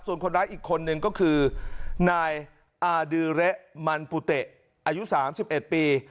ส่วนคนร้ายอีกคนนึงก็คือนายอาดือเละมันปุเตะอายุ๓๑ปี